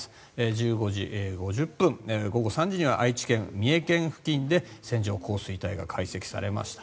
１５時５０分、午後３時には愛知県、三重県付近で線状降水帯が解析されました。